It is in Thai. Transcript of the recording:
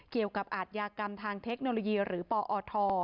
เกี่ยวกับอาทยากรรมทางเทคโนโลยีหรือปอท